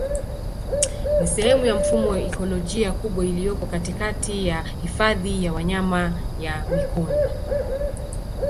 Ni sehemu ya mfumo ikolojia kubwa iliyopo katikati ya Hifadhi ya Wanyama ya mikumi